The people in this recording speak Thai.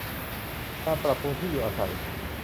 การปรับปรุงที่อยู่อาศัย